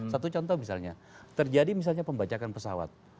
satu contoh misalnya terjadi misalnya pembajakan pesawat